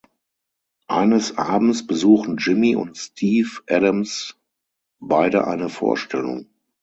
Eines Abends besuchen Jimmy und Steve Adams beide eine Vorstellung.